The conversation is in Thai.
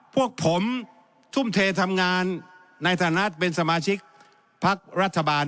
พวกผมทุ่มเททำงานในฐานะเป็นสมาชิกพักรัฐบาล